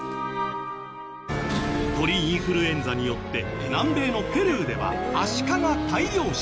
鳥インフルエンザによって南米のペルーではアシカが大量死。